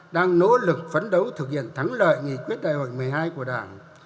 đang nỗ lực phấn đấu thực hiện thắng lợi nghị quyết đại hội một mươi hai của đảng